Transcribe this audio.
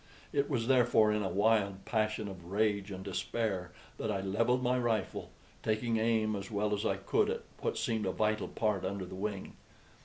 It was therefore in a wild passion of rage and despair that I levelled my rifle, taking aim as well as I could at what seemed a vital part under the wing.